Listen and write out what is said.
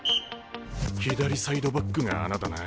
左サイドバックが穴だな。